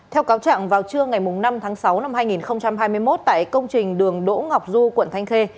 theo cáo trạng vào trưa ngày năm tháng sáu năm hai nghìn hai mươi một tại công trình đường đỗ ngọc du quận thanh khê